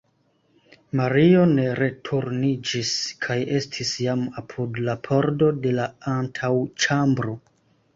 Mario ne returniĝis kaj estis jam apud la pordo de la antaŭĉambro.